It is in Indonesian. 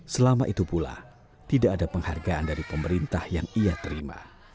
selama itu pula tidak ada penghargaan dari pemerintah yang ia terima